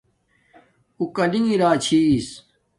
اُو کالنݣ ارا چھس